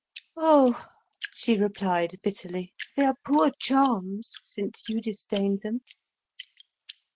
"Oh," she replied bitterly, "they are poor charms since you disdained them."